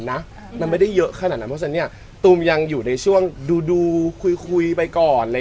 มันไม่ได้เยอะขนาดนั้นเพราะฉะนั้นเนี่ยตูมยังอยู่ในช่วงดูคุยไปก่อน